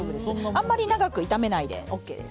あんまり長く炒めないでＯＫです。